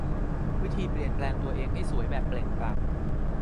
วิธีเปลี่ยนตัวเองให้สวยแบบเปล่งปลั่ง